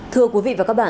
thưa quý vị và các bạn